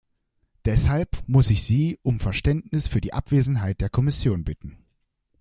Deshalb muss ich Sie um Verständnis für die Abwesenheit der Kommission bitten.